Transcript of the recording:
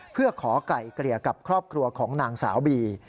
เพื่อขอไก่เกลี่ยกับครอบครัวของนางสาวบี